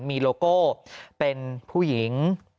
มีโลโก้เป็นผู้หญิง